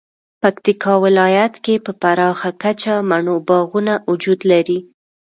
پکتیکا ولایت کې په پراخه کچه مڼو باغونه وجود لري